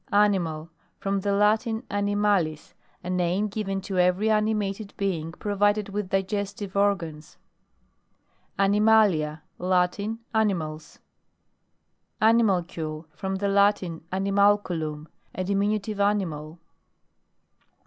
ANIMAL From the Latin, animalis a name given to every animated being provided with digestive or gans. ANIMALIA. Latin. Animals. ANIMALCULE From the Latin, Ani malculum a diminutive animal.